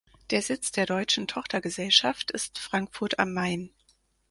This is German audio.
Der Sitz der deutschen Tochtergesellschaft ist Frankfurt am Main.